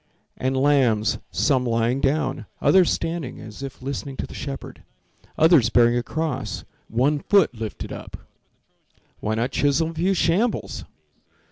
And lambs, some lying down, Others standing, as if listening to the shepherd— Others bearing a cross, one foot lifted up— Why not chisel a few shambles?